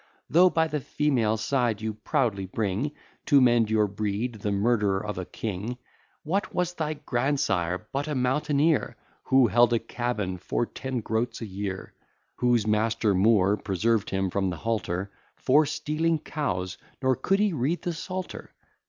Though by the female side, you proudly bring, To mend your breed, the murderer of a king: What was thy grandsire, but a mountaineer, Who held a cabin for ten groats a year: Whose master Moore preserved him from the halter, For stealing cows! nor could he read the Psalter!